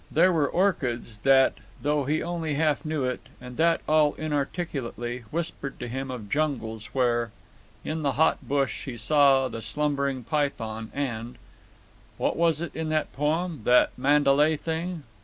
There were orchids that (though he only half knew it, and that all inarticulately) whispered to him of jungles where, in the hot hush, he saw the slumbering python and—"What was it in that poem, that, Mandalay, thing?